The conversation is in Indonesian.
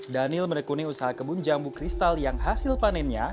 daniel menekuni usaha kebun jambu kristal yang hasil panennya